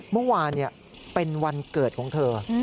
เมื่อวานเป็นวันเกิดของเธอ